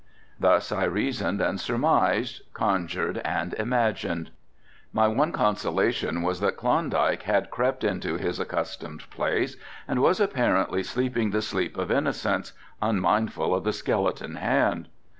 Thus I reasoned and surmised, conjured and imagined. My one consolation was that Klondike had crept into his accustomed place and was apparently sleeping the sleep of innocence, unmindful of the skeleton hand.